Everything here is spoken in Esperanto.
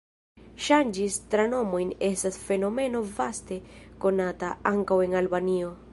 Ŝanĝi stratnomojn estas fenomeno vaste konata, ankaŭ en Albanio.